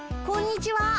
こんにちは。